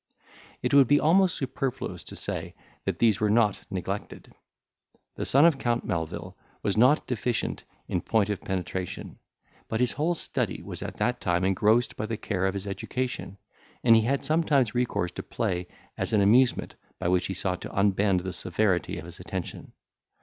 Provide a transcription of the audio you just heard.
It would be almost superfluous to say, that these were not neglected. The son of Count Melvil was not deficient in point of penetration; but his whole study was at that time engrossed by the care of his education, and he had sometimes recourse to play as an amusement by which he sought to unbend the severity of his attention.